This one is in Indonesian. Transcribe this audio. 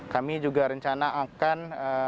kami juga rencana akan